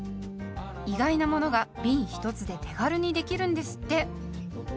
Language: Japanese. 意外なものがびん１つで手軽にできるんですって。